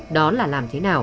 đó là làm thế nào